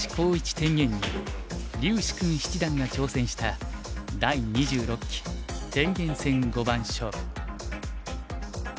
天元に柳時熏七段が挑戦した第２６期天元戦五番勝負。